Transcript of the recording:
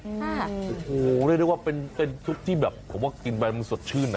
อืมโอ้โหได้ได้ว่าเป็นเป็นทุกที่แบบผมว่ากินไปมันสดชื่นน่ะ